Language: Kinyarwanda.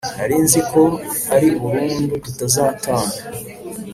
Narinziko ari burundu tutazatana